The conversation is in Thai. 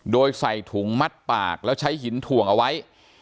โดยใส่ถุงมัดปากแล้วใช้หินถ่วงเอาไว้